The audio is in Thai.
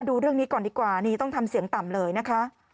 ดูเรื่องนี้ก่อนดีกว่านี่ต้องทำเสียงต่ำเลยนะคะ